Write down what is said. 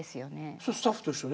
それスタッフと一緒に？